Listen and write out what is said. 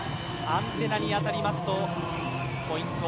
アンテナに当たりますとポイント